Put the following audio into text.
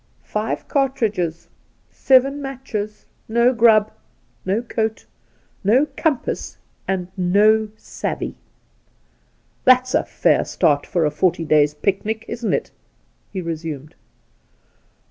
Five cartridges, seven matches, no grub, no coat, no compass, and no savvey ! That's a fair start for a forty days' picnic, isn't it ?' he resumed.